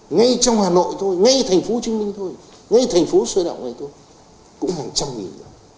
ngay trong hà nội thôi ngay thành phố trinh minh thôi ngay thành phố sơn động này thôi cũng hàng trăm nghìn